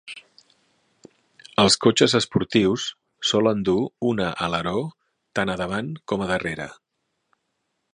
Els cotxes esportius solen dur una aleró tant a davant com a darrere.